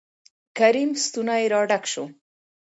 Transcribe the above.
کريم ستونى را ډک شو.